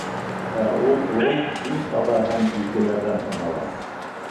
Ә ул урын иң таҙа һәм изгеләрҙән һанала.